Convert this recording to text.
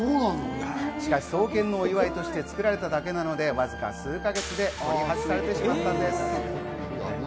しかし、創建のお祝いに作られただけなので、わずか数か月で撤去されてしまったんです。